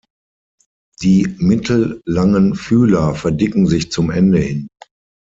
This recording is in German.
Die mittellangen Fühler verdicken sich zum Ende hin.